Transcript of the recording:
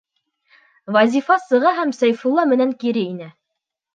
Вазифа сыға һәм Сәйфулла менән кире инә.